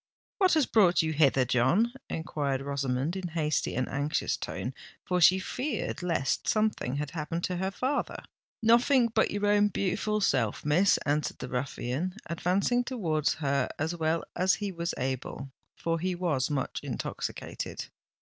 "What has brought you hither, John?" enquired Rosamond, in hasty and anxious tone—for she feared lest something had happened to her father. "Nothink but your own beautiful self, Miss," answered the ruffian, advancing towards her as well as he was able—for he was much intoxicated.